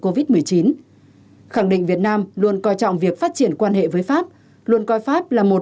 covid một mươi chín khẳng định việt nam luôn coi trọng việc phát triển quan hệ với pháp luôn coi pháp là một